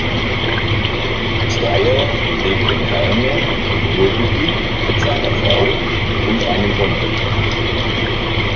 Zweyer lebt in Herne im Ruhrgebiet mit seiner Frau und einem Hund.